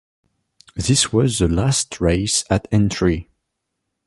This was the last race at Aintree.